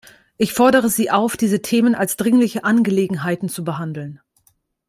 Ich fordere Sie auf, diese Themen als dringliche Angelegenheiten zu behandeln.